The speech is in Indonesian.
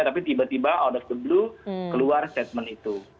tapi tiba tiba audit the blue keluar statement itu